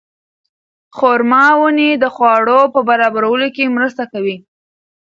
خورما ونې د خواړو په برابرولو کې مرسته کوي.